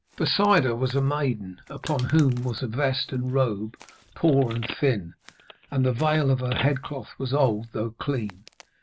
Beside her was a maiden, upon whom was a vest and robe poor and thin, and the veil of her headcloth was old though clean.